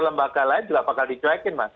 lembaga lain juga bakal dicuekin mas